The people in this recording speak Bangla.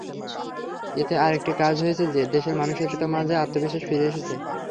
এতে আরেকটি কাজ হয়েছে যে, দেশের মানুষের মাঝে আত্মবিশ্বাস ফিরে এসেছে।